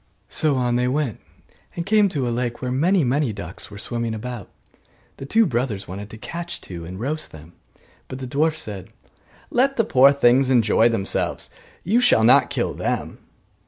So on they went, and came to a lake where many many ducks were swimming about. The two brothers wanted to catch two, and roast them. But the dwarf said, 'Let the poor things enjoy themselves, you shall not kill them.